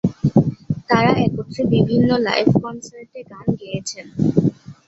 তারা একত্রে বিভিন্ন লাইভ কনসার্টে গান গেয়েছেন।